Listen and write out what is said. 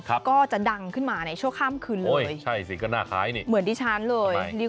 ก็จะดังขึ้นมาในช่วงข้ามคืนเลย